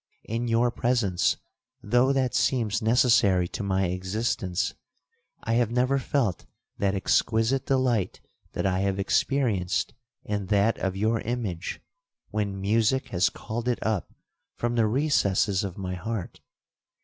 In your presence, though that seems necessary to my existence, I have never felt that exquisite delight that I have experienced in that of your image, when music has called it up from the recesses of my heart.